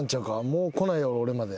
もう来ないやろ俺まで。